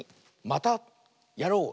「またやろう！」。